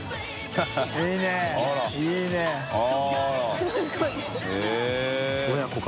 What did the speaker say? すごい